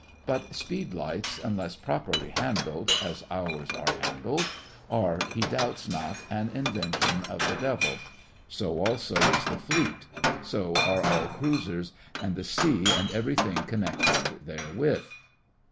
But speed lights unless properly handled—as ours are handled—are, he doubts not, an invention of the Devil. So, also, is the Fleet; so are all cruisers; and the sea and everything connected therewith.